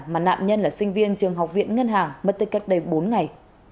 mà nạn nhân là sinh viên trường học viện ngân hàng mất tích cách đây bốn ngày